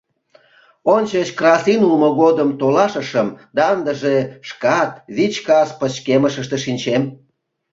Ончыч красин улмо годым толашышым да ындыже шкат вич кас пычкемыште шинчем.